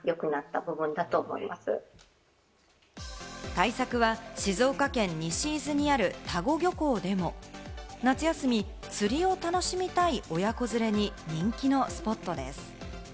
対策は静岡県西伊豆にある田子漁港でも、夏休み、釣りを楽しみたい親子連れに人気のスポットです。